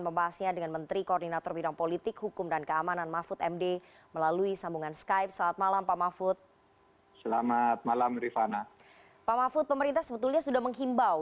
pak mahfud pemerintah sebetulnya sudah menghimbau